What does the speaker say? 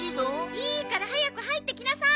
いいから早く入ってきなさい！